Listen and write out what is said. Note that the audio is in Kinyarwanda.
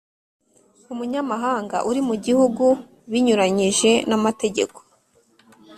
umunyamahanga uri mu gihugu binyuranyije n’amategeko